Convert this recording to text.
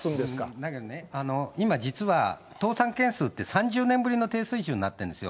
だからね、今、実は、倒産件数って、３０年ぶりの低水準になってるんですよ。